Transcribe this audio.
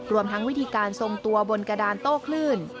รวมทั้งวิธีการทรงตัวบนกระดานโต้คลื่น